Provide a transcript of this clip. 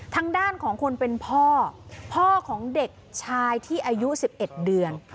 ทางด้านของคนเป็นพ่อพ่อของเด็กชายที่อายุ๑๑เดือน